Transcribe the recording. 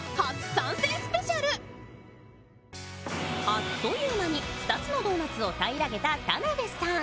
あっという間に２つのドーナツを平らげた田辺さん。